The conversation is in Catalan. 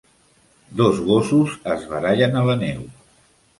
Dos gossos es barallen a la neu.